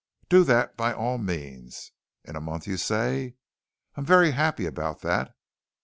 Do that, by all means.... In a month, you say?... I'm very happy about that...."